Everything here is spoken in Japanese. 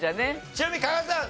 ちなみに加賀さん